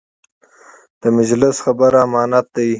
د مجلس خبره امانت دی.